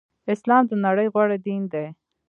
اسلام د نړی غوره دین دی.